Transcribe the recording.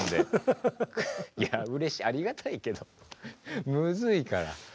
いやうれしいありがたいけどむずいから。